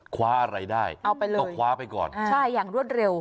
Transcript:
คว้าอะไรได้เอาไปเลยต้องคว้าไปก่อนใช่อย่างรวดเร็ว